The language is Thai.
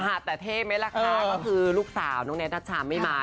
อ่าแต่เท่มั้ยล่ะคะก็คือลูกสาวน้องเน็ตนัชชามไม่มานะฮะ